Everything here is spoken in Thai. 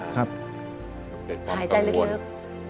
หายใจลึก